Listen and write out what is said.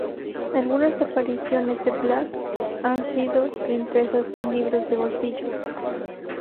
Algunas apariciones de Black han sido reimpresas en libros de bolsillo.